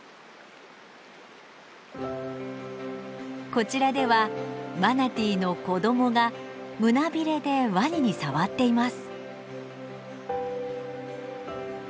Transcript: こちらではマナティーの子どもが胸びれでワニに触っています。